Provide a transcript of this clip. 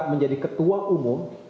menjadi ketua umum